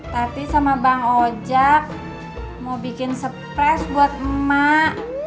tadi sama bang ojak mau bikin sepres buat emak